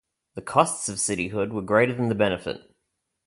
The costs of cityhood were greater than the benefit.